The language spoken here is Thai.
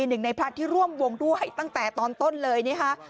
หนึ่งในพระที่ร่วมวงด้วยตั้งแต่ตอนต้นเลยนะคะ